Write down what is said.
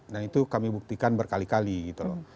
dan itu kami buktikan berkali kali gitu loh